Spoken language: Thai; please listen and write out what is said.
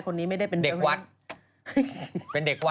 คนนี้ไม่ได้เป็นเด็กวัดเป็นเด็กวัด